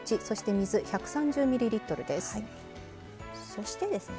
そしてですね